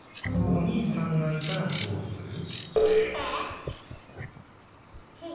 お兄さんがいたらどうする？